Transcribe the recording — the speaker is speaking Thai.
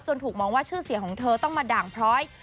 ถูกมองว่าชื่อเสียงของเธอต้องมาด่างพร้อย